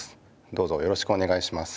どうぞよろしくおねがいします。